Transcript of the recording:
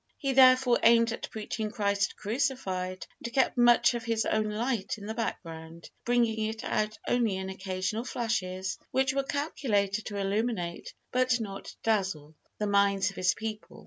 He therefore aimed at preaching Christ crucified, and kept much of his own light in the background, bringing it out only in occasional flashes, which were calculated to illuminate, but not dazzle, the minds of his people.